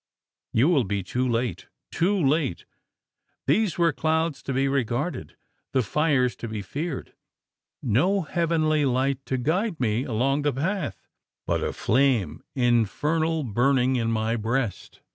You will be too late too late!" These were clouds to be regarded the fires to be feared. No heavenly light to guide me along the path, but a flame infernal burning in my breast?